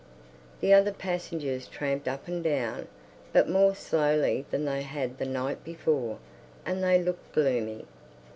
The other passengers tramped up and down, but more slowly than they had the night before, and they looked gloomy.